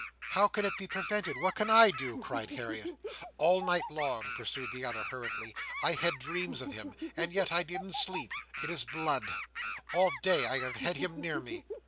"How can it be prevented? What can I do?" cried Harriet. "All night long," pursued the other, hurriedly, "I had dreams of him—and yet I didn't sleep—in his blood. All day, I have had him near me."